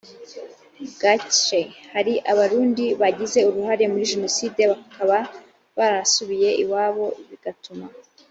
gace hari abarundi bagize uruhare muri jenoside bakaba barasubiye iwabo bigatuma